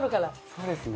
そうですね。